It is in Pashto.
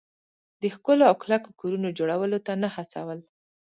د ښکلو او کلکو کورونو جوړولو ته نه هڅول.